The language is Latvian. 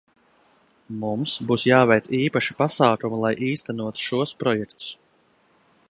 Mums būs jāveic īpaši pasākumi, lai īstenotu šos projektus.